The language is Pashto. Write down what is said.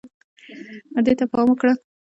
دې ته پام وکړه